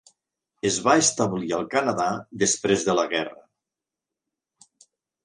Es va establir al Canadà després de la guerra.